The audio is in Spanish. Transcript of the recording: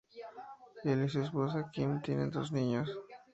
Él y su esposa Kim tienen dos niños.